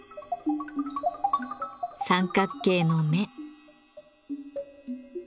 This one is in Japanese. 三角形の目。